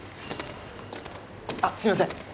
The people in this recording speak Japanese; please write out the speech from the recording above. あっすいません。